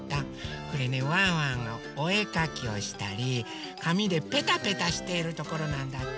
これねワンワンのおえかきをしたりかみでペタペタしてるところなんだって。